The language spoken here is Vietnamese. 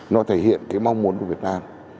nó thể hiện cái mong muốn của việt nam